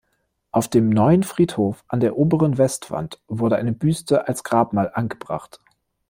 Auf dem "Neuen Friedhof", an der oberen Westwand, wurde eine Büste als Grabmal angebracht.